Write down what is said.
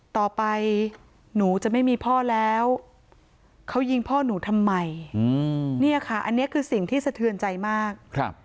ต่อไปหนูจะไม่มีพ่อแล้วเขายิงพ่อหนูทำไมเนี่ยค่ะอันนี้คือสิ่งที่สะเทือนใจมาก